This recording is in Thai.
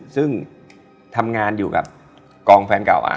ซึ่งทำงานอยู่กับกองแฟนเก่า